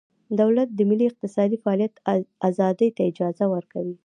دولت د ملي اقتصادي فعالیت ازادۍ ته اجازه ورکوي